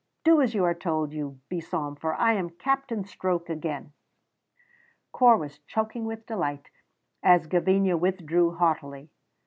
Do as you are told, you besom, for I am Captain Stroke again." Corp was choking with delight as Gavinia withdrew haughtily.